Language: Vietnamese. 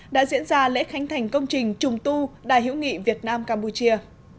đã diễn ra lễ khánh thành công trình trùng tu đại hiệu nghị việt nam campuchia